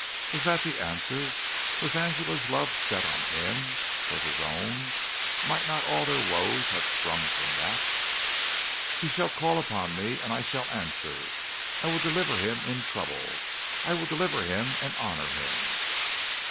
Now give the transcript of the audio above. Was that the answer? Was Angela's love set on him? Was his own? Might not all their woes have sprung from that? "He shall call upon me and I shall answer. I will deliver him in trouble. I will deliver him and honor him."